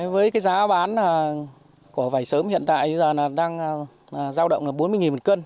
với cái giá bán của vải sớm hiện tại bây giờ là đang giao động là bốn mươi một cân